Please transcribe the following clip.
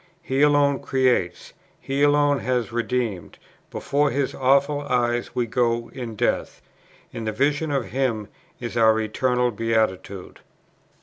He alone creates; He alone has redeemed; before His awful eyes we go in death; in the vision of Him is our eternal beatitude.